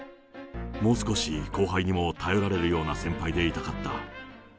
もう少し後輩にも頼られるような先輩でいたかった。